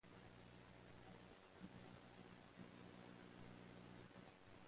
He was cremated after a private funeral service.